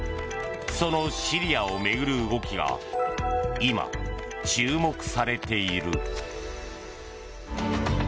そのシリアを巡る動きが今、注目されている。